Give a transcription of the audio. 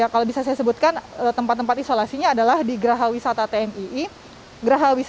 kalau bisa saya sebutkan tempat tempat isolasinya adalah di geraha wisata tmii